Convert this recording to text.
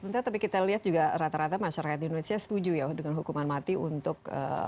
sebentar tapi kita lihat juga rata rata masyarakat indonesia setuju ya dengan hukuman mati untuk